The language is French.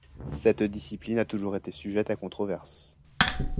Cette discipline a toujours été sujette à controverses.